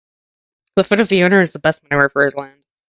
The foot of the owner is the best manure for his land.